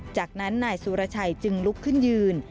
จากนั้นนายสุรชัยจึงลุกขึ้นยืน